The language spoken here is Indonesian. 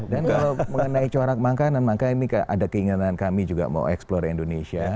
dan kalau mengenai corak makanan makanya ini ada keinginan kami juga mau explore indonesia